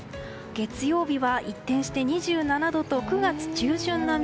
月曜日は一転して２７度と９月中旬並み。